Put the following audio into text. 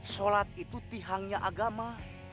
sholat itu tiangnya agama